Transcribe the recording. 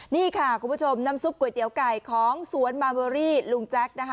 นี่ค่ะคุณผู้ชมน้ำซุปก๋วยเตี๋ยวไก่ของสวนมาเวอรี่ลุงแจ๊คนะคะ